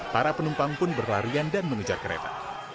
para penumpang pun berlarian dan mengejar kereta